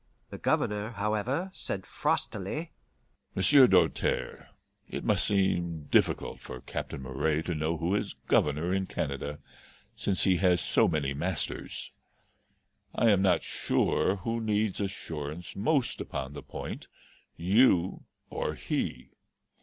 The Governor, however, said frostily, "Monsieur Doltaire, it must seem difficult for Captain Moray to know who is Governor in Canada, since he has so many masters. I am not sure who needs assurance most upon the point, you or he.